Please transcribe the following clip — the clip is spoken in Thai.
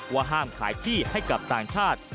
ว่าห้ามขายที่ให้กับต่างชาติ